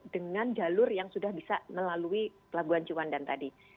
dengan jalur yang sudah bisa melalui pelabuhan ciwandan tadi